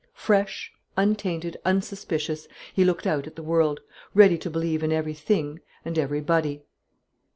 Fresh, untainted, unsuspicious, he looked out at the world, ready to believe in everything and everybody.